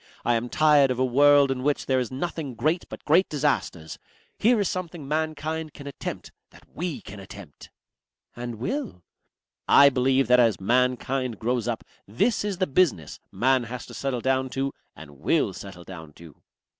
I am tired of a world in which there is nothing great but great disasters. Here is something mankind can attempt, that we can attempt." "And will?" "I believe that as Mankind grows up this is the business Man has to settle down to and will settle down to."